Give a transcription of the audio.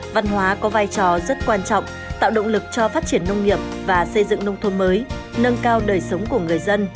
văn hóa có vai trò rất quan trọng tạo động lực cho phát triển nông nghiệp và xây dựng nông thôn mới nâng cao đời sống của người dân